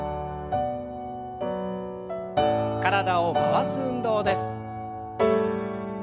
体を回す運動です。